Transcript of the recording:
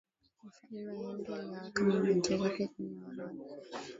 mfalme henry aliwaweka mabinti zake kwenye orodha